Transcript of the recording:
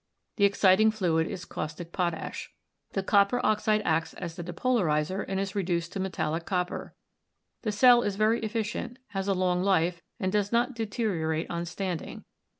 The exciting fluid is caustic potash. The copper oxide acts as the depolarizer and is reduced to metallic copper. The cell is very efficient, has a long life, and does not deterio rate on standing.